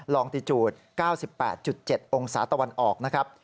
ลองตีจูด๙๘๗องศาตะวันออกนะครับ